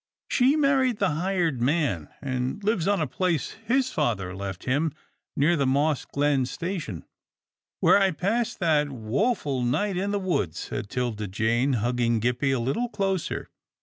" She married the hired man, and lives on a place his father left him near the Moss Glen station." " Where I passed that woful night in the woods," said 'Tilda Jane, hugging Gippie a little closer.